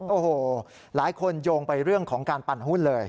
โอ้โหหลายคนโยงไปเรื่องของการปั่นหุ้นเลย